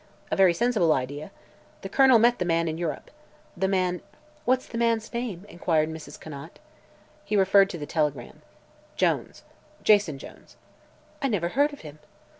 A very sensible idea. The Colonel met the man in Europe. The man " "What's the man's name?" inquired Mrs. Conant. He referred to the telegram. "Jones. Jason Jones." "I never heard of him."